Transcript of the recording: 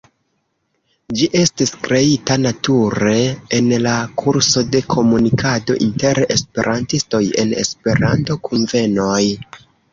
Ĝi estis kreita nature en la kurso de komunikado inter Esperantistoj en Esperanto-kunvenoj.